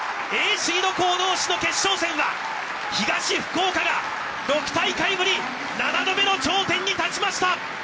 シード校どうしの決勝戦は東福岡が６大会ぶり、７度目の頂点に立ちました。